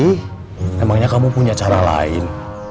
emangnya kamu punya cara lain